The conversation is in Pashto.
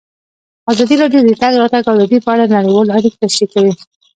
ازادي راډیو د د تګ راتګ ازادي په اړه نړیوالې اړیکې تشریح کړي.